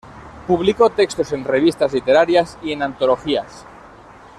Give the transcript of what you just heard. Publicó textos en revistas literarias y en antologías.